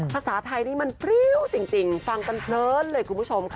ภาษาไทยนี่มันพริ้วจริงฟังกันเพลินเลยคุณผู้ชมค่ะ